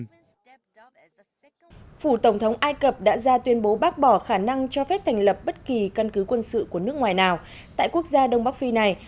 tổng thống ai cập đã ra tuyên bố bác bỏ khả năng cho phép thành lập bất kỳ căn cứ quân sự của nước ngoài nào tại quốc gia đông bắc phi này